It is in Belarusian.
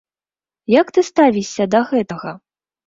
Як ты ставішся да гэтага?